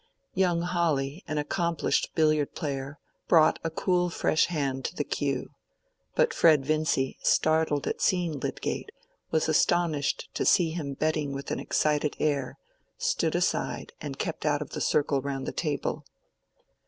Young Hawley, an accomplished billiard player, brought a cool fresh hand to the cue. But Fred Vincy, startled at seeing Lydgate, and astonished to see him betting with an excited air, stood aside, and kept out of the circle round the table.